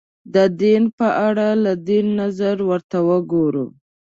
د دین په اړه له دین نظره ورته وګورو